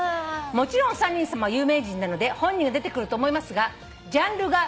「もちろんお三人さまは有名人なので本人が出てくると思いますがジャンルが